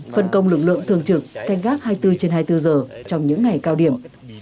phân công lực lượng thường trực canh gác hai mươi bốn trên hai mươi bốn giờ trong những ngày cao điểm